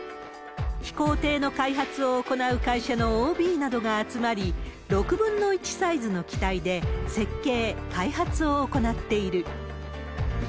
飛行艇の開発を行う会社のＯＢなどが集まり、６分の１サイズの機体で設計、開発を行っている。